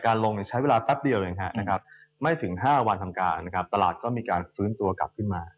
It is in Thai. การลงใช้เวลาแป๊บเดียวไหมนะครับ